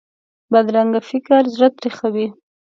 بدرنګه فکر زړه تریخوي